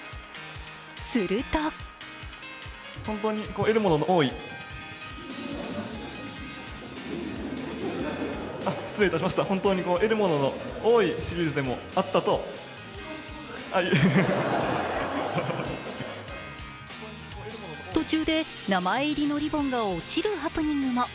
すると途中で名前入りのリボンが落ちるハプニングも。